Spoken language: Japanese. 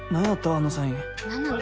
あのサイン何なんだ？